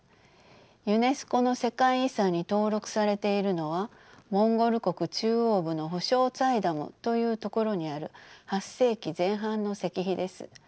ユネスコの世界遺産に登録されているのはモンゴル国中央部のホショーツァイダムという所にある８世紀前半の石碑です。